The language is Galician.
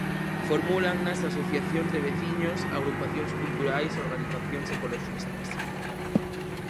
Formúlannas asociacións de veciños, agrupacións culturais, organizacións ecoloxistas.